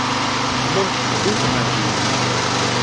Llant tteddunt ɣer din.